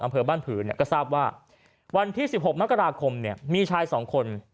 อำเภอบ้านผืนก็ทราบว่าวันที่๑๖มกราคมมีชายสองคน